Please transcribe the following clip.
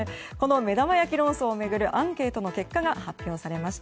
目玉焼き論争を巡るアンケートの結果が発表されました。